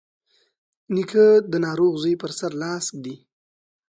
نیکه د ناروغ زوی پر سر لاس ږدي.